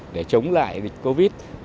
để chống lại covid